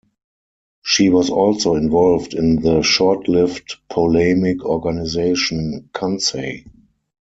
She was also involved in the short-lived polemic organization "Cansei".